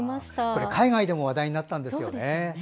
これ、海外でも話題になったんですよね。